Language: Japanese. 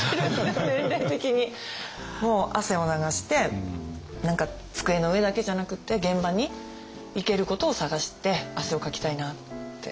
もう汗を流して何か机の上だけじゃなくって現場に行けることを探して汗をかきたいなって思ってます。